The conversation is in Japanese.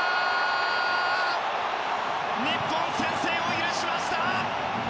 日本、先制を許しました！